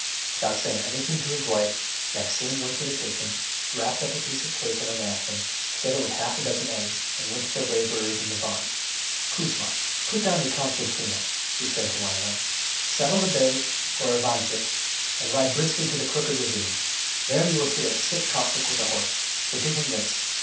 Without saying anything to his wife, Maxim went into the kitchen, wrapped a piece of cake up in a napkin, together with half a dozen eggs, and went to the labourers in the barn. "Kuzma, put down your concertina," he said to one of them. "Saddle the bay, or Ivantchik, and ride briskly to the Crooked Ravine. There you will see a sick Cossack with a horse, so give him this.